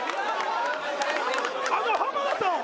あの浜田さんを！